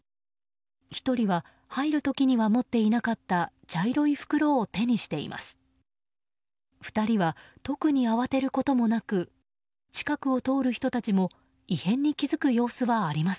１人は、入る時には持っていなかった茶色い袋を手にしています。